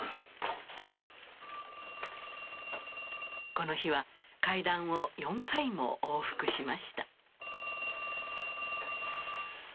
この日は階段を４回も往復しました。